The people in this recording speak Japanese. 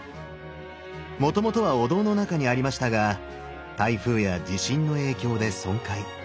もともとはお堂の中にありましたが台風や地震の影響で損壊。